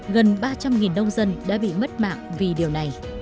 gần ba trăm linh nông dân đã bị mất mạng vì điều này